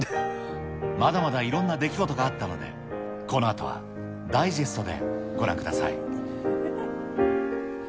まだまだいろんな出来事があったので、このあとは、ダイジェストでご覧ください。